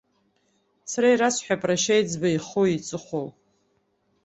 Сара ирасҳәап рашьа еиҵбы ихуиҵыхәоу.